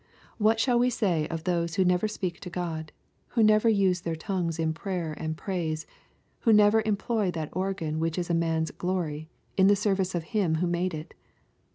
— What shall we say of those who never speak to God, who never use their tongues in prayer and praise, who never employ that organ which is a man's " glory," in the service of Him who made it